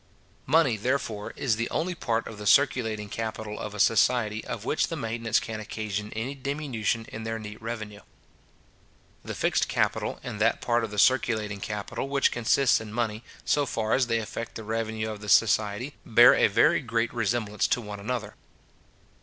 Money, therefore, is the only part of the circulating capital of a society, of which the maintenance can occasion any diminution in their neat revenue. The fixed capital, and that part of the circulating capital which consists in money, so far as they affect the revenue of the society, bear a very great resemblance to one another.